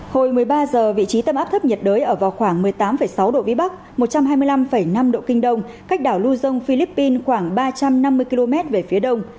hồi một mươi ba h vị trí tâm áp thấp nhiệt đới ở vào khoảng một mươi tám sáu độ vĩ bắc một trăm hai mươi năm năm độ kinh đông cách đảo lưu dông philippines khoảng ba trăm năm mươi km về phía đông